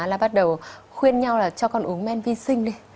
là bắt đầu khuyên nhau là cho con uống men vi sinh này